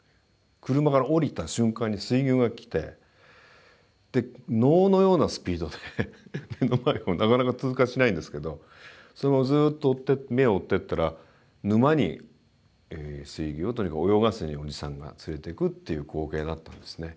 車から降りた瞬間に水牛が来てで能のようなスピードで目の前をなかなか通過しないんですけどそのままずっと目追ってったら沼に水牛をとにかく泳がせにおじさんが連れてくっていう光景だったんですね。